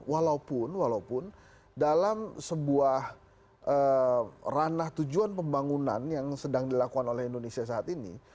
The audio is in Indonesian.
walaupun walaupun dalam sebuah ranah tujuan pembangunan yang sedang dilakukan oleh indonesia saat ini